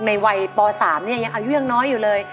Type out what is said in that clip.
ในวัยป๓ไงยังอายุยิ่งน้อยอยู่เลย